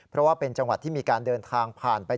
เพราะว่าเป็นจังหวัดที่มีการเดินทางผ่านไป